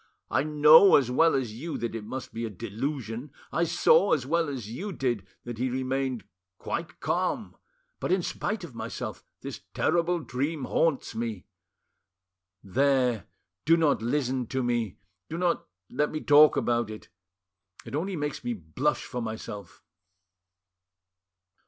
I know as well as you that it must be a delusion, I saw as well as you did that he remained quite calm, but, in spite of myself, this terrible dream haunts me ... .There, do not listen to me, do not let me talk about it; it only makes me blush for myself."